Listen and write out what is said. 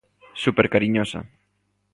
Supercariñosa.